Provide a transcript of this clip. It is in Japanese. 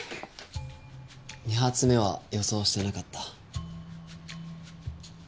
２発目は予想してなかった。